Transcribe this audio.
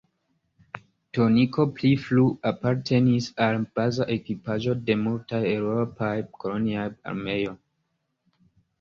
Toniko pli frue apartenis al baza ekipaĵo de multaj eŭropaj koloniaj armeoj.